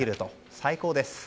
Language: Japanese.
最高です。